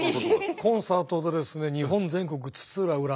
コンサートでですね日本全国津々浦々。